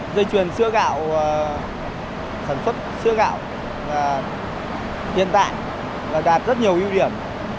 dây chuyền sữa gạo sản xuất sữa gạo hiện tại và đạt rất nhiều ưu điểm